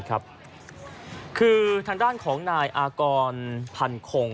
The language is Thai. คือทางด้านของนายอากรพันคง